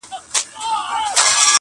چي د کڼو غوږونه وپاڅوي٫